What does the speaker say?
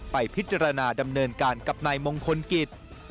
ไปพิจารณาดำเนินการกับนายมงคลกิจ